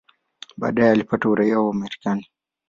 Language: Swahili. Baadaye alipata uraia wa Marekani.